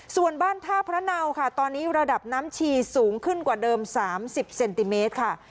ส่วนบ้านท่าพระเนาค่ะตอนนี้ระดับน้ำชีสูงขึ้นกว่าเดิม๓๐เซนติเมตรค่ะ